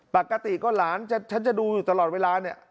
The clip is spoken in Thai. ปกติก็หลานฉันจะดูอยู่ตลอดเวลาเนี่ย